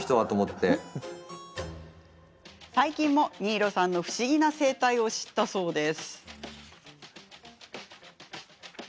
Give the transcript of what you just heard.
最近も新納さんの不思議な生態を知ったそうです。